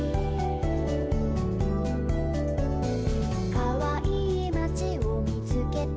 「かわいいまちをみつけたよ」